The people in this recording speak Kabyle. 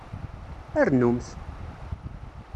Rnumt!